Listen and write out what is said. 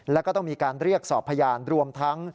แล้วก็ต้องมีการเรียกสอบพยานรวมทั้ง